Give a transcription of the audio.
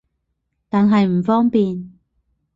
但係唔方便